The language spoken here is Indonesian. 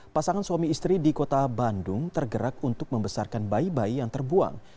pasangan suami istri di kota bandung tergerak untuk membesarkan bayi bayi yang terbuang